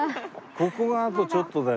ここがあとちょっとだよ